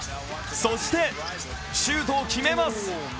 そしてシュートを決めます。